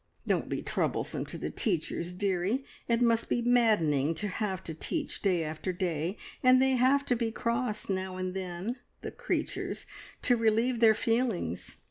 Don't be troublesome to the teachers, dearie; it must be maddening to have to teach day after day, and they have to be cross now and then the creatures! to relieve their feelings.